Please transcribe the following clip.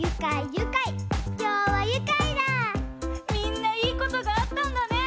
みんないいことがあったんだね！